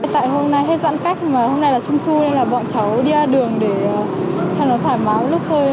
tại hôm nay hết giãn cách mà hôm nay là chung thu nên là bọn cháu đi ra đường để cho nó thải máu lúc thôi